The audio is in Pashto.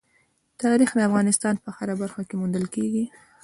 تاریخ د افغانستان په هره برخه کې موندل کېږي.